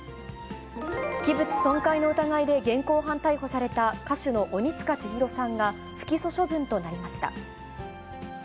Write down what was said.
器物損壊の疑いで現行犯逮捕された、歌手の鬼束ちひろさんが不起訴処分となりました。